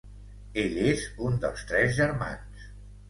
Ell és un dels tres germans.